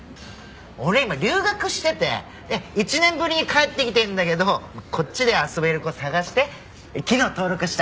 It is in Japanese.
俺今留学してて１年ぶりに帰ってきてるんだけどこっちで遊べる子探して昨日登録した。